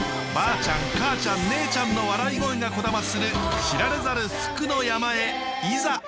バアちゃん母ちゃん姉ちゃんの笑い声がこだまする知られざる福の山へいざ！